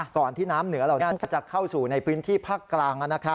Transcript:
ก่อนที่น้ำเหนือเราจะเข้าสู่ในพื้นที่ภาคกลาง